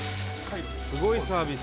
すごいサービス。